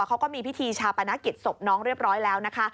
เขาก็มีพิธีชาปนกิจศพน้องเรียบร้อยแล้วนะคะ